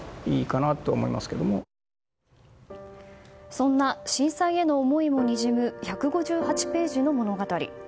そんな震災への思いもにじむ１５８ページの物語。